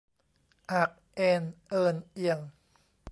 อาก เอน เอิน เอียง